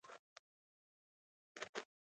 اې باده د کلاخ کلي بوی راوړه!